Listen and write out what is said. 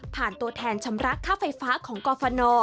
ตัวแทนชำระค่าไฟฟ้าของกรฟน